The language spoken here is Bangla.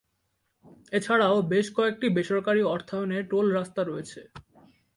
এছাড়াও বেশ কয়েকটি বেসরকারী অর্থায়নে টোল রাস্তা রয়েছে।